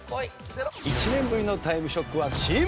１年ぶりの『タイムショック』は。